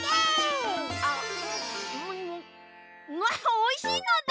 おいしいのだ！